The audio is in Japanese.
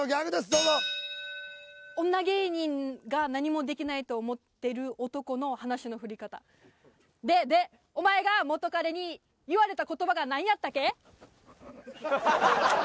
どうぞ女芸人が何もできないと思ってる男の話の振り方ででお前が元カレに言われた言葉が何やったけ？